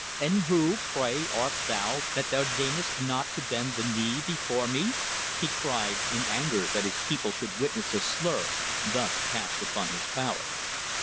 "And who, pray, art thou, that thou deignest not to bend the knee before me?" he cried, in anger that his people should witness a slur thus cast upon his power.